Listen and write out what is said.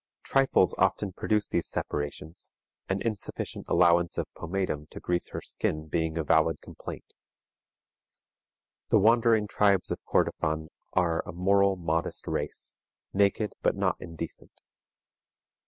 Trifles often produce these separations, an insufficient allowance of pomatum to grease her skin being a valid complaint. These remarks apply to the fixed population; the wandering tribes of Kordofan are a moral, modest race, naked, but not indecent.